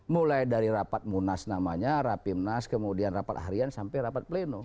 mulai dari rapat munas namanya rapimnas kemudian rapat harian sampai rapat pleno